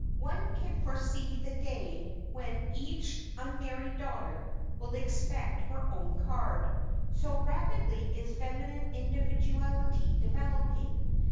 One can foresee the day when each unmarried daughter will expect her own card, so rapidly is feminine individuality developing.